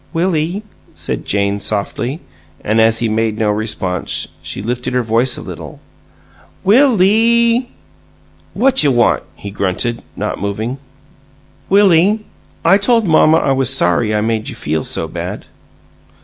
"Willie?" said Jane, softly; and, as he made no response, she lifted her voice a little. "Will ee!" "Whatchwant!" he grunted, not moving. "Willie, I told mamma I was sorry I made you feel so bad."